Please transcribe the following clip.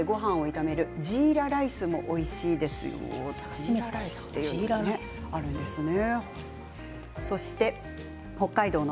ジーラライスというのがあるんですね。